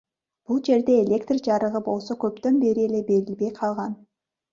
Бул жерде электр жарыгы болсо көптөн бери эле берилбей калган.